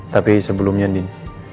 tapi sebelumnya din